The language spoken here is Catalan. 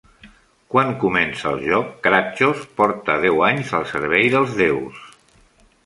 Quan comença el joc, Kratjos porta deu anys al servei dels déus.